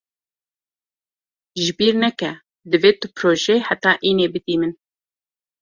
Ji bîr neke divê tu projeyê heta înê bidî min.